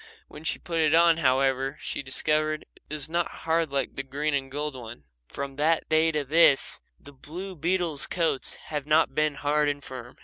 When she put it on, however, she discovered that it was not hard like the green and gold one. From that day to this the blue beetles' coats have not been hard and firm.